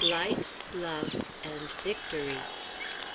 LIGHT, LOVE, AND VICTORY.